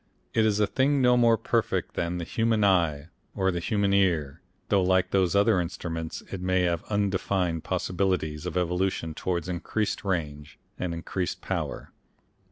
It is a thing no more perfect than the human eye or the human ear, though like those other instruments it may have undefined possibilities of evolution towards increased range, and increased power.